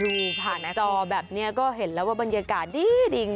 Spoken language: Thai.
ดูผ่านหน้าจอแบบนี้ก็เห็นแล้วว่าบรรยากาศดี